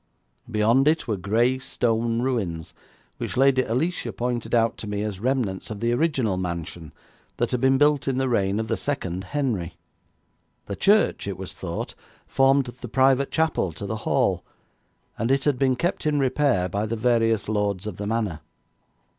Beyond it were gray stone ruins, which Lady Alicia pointed out to me as remnants of the original mansion that had been built in the reign of the second Henry. The church, it was thought, formed the private chapel to the hall, and it had been kept in repair by the various lords of the manor.